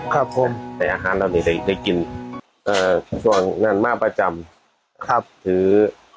ครับผมแต่อาหารเหล่านี้จะได้กินเอ่อส่วนงานมาประจำครับถือ